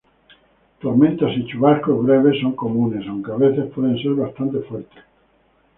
Tormentas y chubascos breves son comunes, aunque a veces pueden ser bastante fuertes.